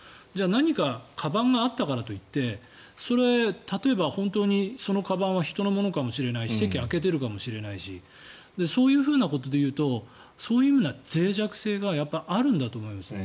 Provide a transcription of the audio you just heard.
何かかばんがあったからといってそれは例えば本当にそのかばんは人のものかもしれないし席を空けているかもしれないしそういうふうなことでいうとそういうようなぜい弱性があるんだと思いますね。